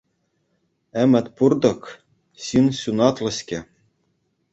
Ӗмӗт пур-тӑк – ҫын ҫунатлӑ-ҫке.